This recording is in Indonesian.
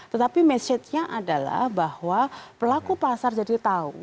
tetapi mesinnya adalah bahwa pelaku pasar jadi tahu